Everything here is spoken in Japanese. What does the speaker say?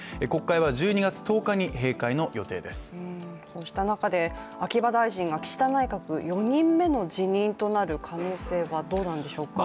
こうした中で秋葉大臣が岸田内閣、４人目の辞任となる可能性はどうなんでしょうか？